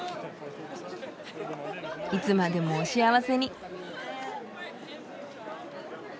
いつまでもお幸せに。